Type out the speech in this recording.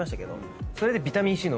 それで。